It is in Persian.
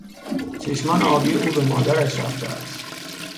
چشمان آبی او به مادرش رفته است.